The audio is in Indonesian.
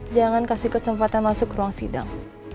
jangan kasih kesempatan masuk ruang sidang